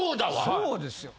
そうですよ。